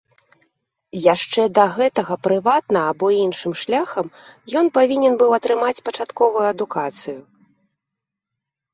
Яшчэ да гэтага прыватна або іншым шляхам ён павінен быў атрымаць пачатковую адукацыю.